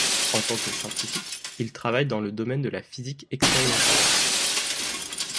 En tant que scientifique, il travaille dans le domaine de la physique expérimentale.